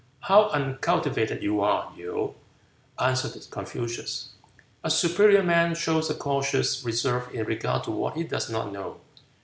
"How uncultivated you are, Yew," answered Confucius; "a superior man shows a cautious reserve in regard to what he does not know.